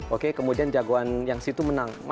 oke kemudian jagoan yang situ menang